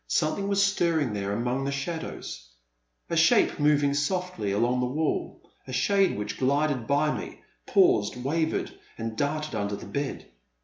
Something was stir ring there among the shadows, — a shape moving softly along the wall, a shade which glided by me, paused, wavered, and darted under the bed.